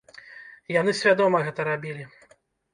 Яны свядома гэта рабілі.